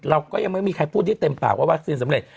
เราก็ยังไม่มีใครพูดว่าวาคซีนสำเร็จ